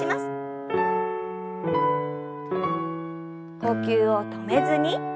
呼吸を止めずに。